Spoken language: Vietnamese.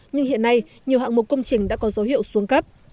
nhưng hiện nay nhiều hạng mục công trình đã có dấu hiệu xuống cấp